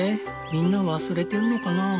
みんな忘れてるのかなあ？